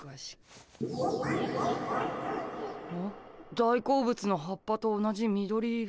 大好物の葉っぱと同じ緑色。